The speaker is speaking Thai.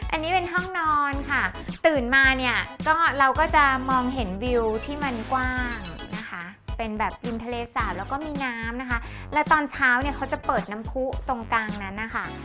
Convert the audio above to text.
อันนี้เป็นห้องนอนค่ะตื่นมาเนี่ยก็เราก็จะมองเห็นวิวที่มันกว้างนะคะเป็นแบบริมทะเลสาบแล้วก็มีน้ำนะคะแล้วตอนเช้าเนี่ยเขาจะเปิดน้ำผู้ตรงกลางนั้นนะคะ